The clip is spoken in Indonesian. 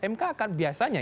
mk akan biasanya